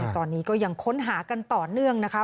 ตอนนี้ก็ยังค้นหากันต่อเนื่องนะคะ